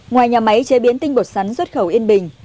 ngoài nhà máy chế biến tinh bột sắn xuất khẩu yên bình